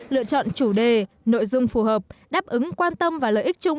lựa chọn chủ đề nội dung phù hợp đáp ứng quan tâm và lợi ích chung